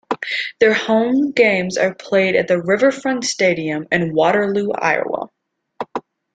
Their home games are played at the Riverfront Stadium in Waterloo, Iowa.